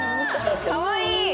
かわいい！